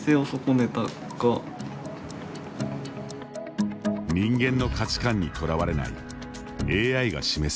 人間の価値観にとらわれないＡＩが示す指し手の数々。